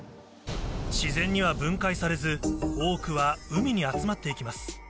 自然には分解されず多くは海に集まっていきます